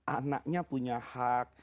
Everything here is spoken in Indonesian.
anaknya punya hak